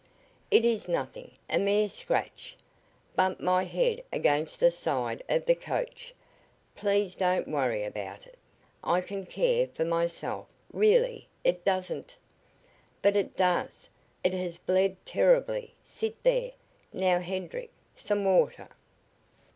"It is nothing a mere scratch. Bumped my head against the side of the coach. Please don't worry about it; I can care for myself. Really, it doesn't " "But it does! It has bled terribly. Sit there! Now, Hedrick, some water."